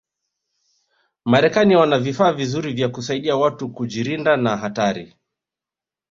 marekani wana vifaa vizuri vya kusaidi watu kujirinda na hatari